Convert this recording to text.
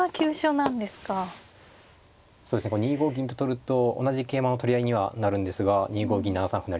２五銀と取ると同じ桂馬を取り合いにはなるんですが２五銀７三歩成と。